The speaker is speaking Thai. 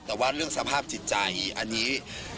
แต่ว่าเรื่องสภาพจิตใจอันนี้